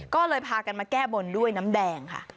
ก็เลยพากันมาแก้บนด้วยน้ำแดงค่ะ